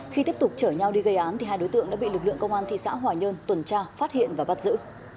khi tiếp tục chở nhau đi gây án hai đối tượng đã bị lực lượng công an thị xã hòa nhơn tuần tra phát hiện và bắt giữ